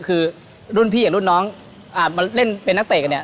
คือรุ่นพี่กับรุ่นน้องมาเล่นเป็นนักเตะกันเนี่ย